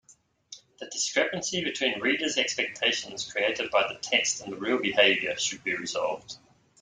The discrepancy between reader’s expectations created by the text and the real behaviour should be resolved.